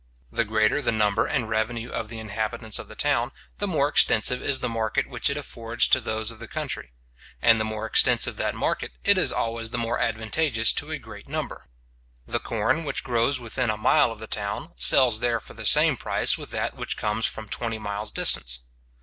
The greater the number and revenue of the inhabitants of the town, the more extensive is the market which it affords to those of the country; and the more extensive that market, it is always the more advantageous to a great number. The corn which grows within a mile of the town, sells there for the same price with that which comes from twenty miles distance.